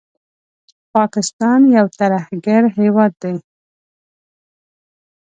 پاکستان یو ترهګر هېواد دی